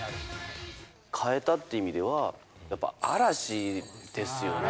変えたって意味では、やっぱＡ・ＲＡ・ＳＨＩですよね。